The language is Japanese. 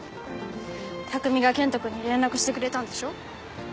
匠が健人君に連絡してくれたんでしょ？